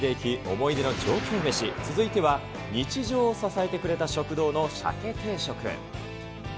思い出の上京メシ、続いては、日常を支えてくれた食堂のシャケ定食。